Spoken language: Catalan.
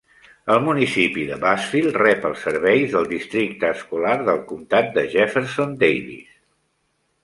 El municipi de Bassfield rep els serveis del districte escolar del comtat de Jefferson Davis.